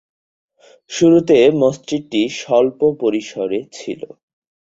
শুরুতে মসজিদটি স্বল্প পরিসরে ছিল।